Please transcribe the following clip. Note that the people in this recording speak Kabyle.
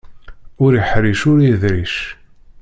Ur iḥṛic, ur iḍric.